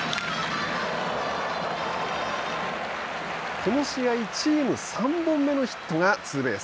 この試合、チーム３本目のヒットがツーベース。